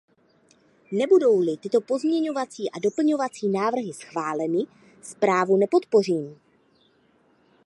Nebudou-li tyto pozměňovací a doplňovací návrhy schváleny, zprávu nepodpořím.